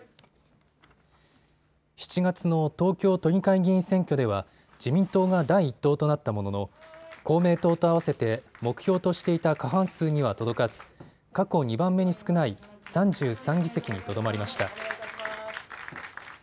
７月の東京都議会議員選挙では自民党が第１党となったものの公明党と合わせて目標としていた過半数には届かず過去２番目に少ない３３議席にとどまりました。